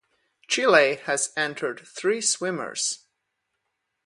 Chile has entered three swimmers.